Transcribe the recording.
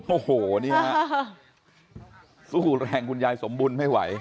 โอ้โหสู้แรงคุณยายสมบูรณ์ไม่ไหว